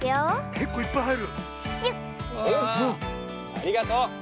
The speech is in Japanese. ありがとう！